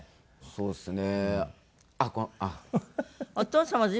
そうですね。